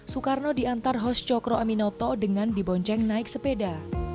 soekarno diantar hos cokro aminoto dengan dibonceng naik sepeda